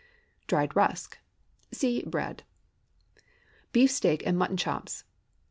DRIED RUSK. (See Bread.) BEEF STEAK AND MUTTON CHOPS.